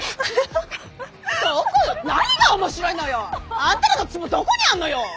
あんたらのツボどこにあんのよ。